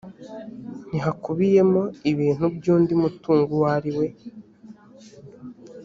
ntihakubiyemo ibintu by undi muntu uwo ariwe